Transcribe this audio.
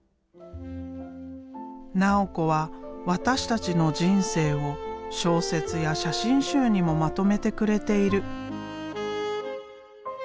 直子は私たちの人生を小説や写真集にもまとめてくれている。